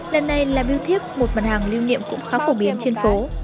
lần này là viewtip một mặt hàng lưu niệm cũng khá phổ biến trên phố